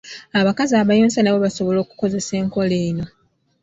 Abakazi abayonsa nabo basobola okukozesa enkola eno.